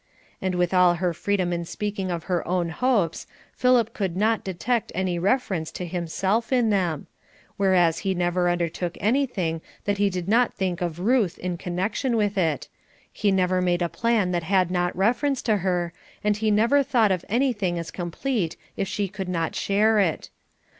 And with all her freedom in speaking of her own hopes, Philip could not, detect any reference to himself in them; whereas he never undertook anything that he did not think of Ruth in connection with it, he never made a plan that had not reference to her, and he never thought of anything as complete if she could not share it.